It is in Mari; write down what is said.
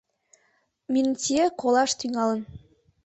Минтье колаш тӱҥалын.